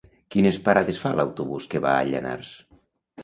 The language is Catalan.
Quines parades fa l'autobús que va a Llanars?